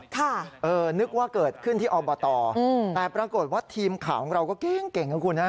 ค่ะเออนึกว่าเกิดขึ้นที่อบตอืมแต่ปรากฏว่าทีมข่าวของเราก็เก่งเก่งนะคุณฮะ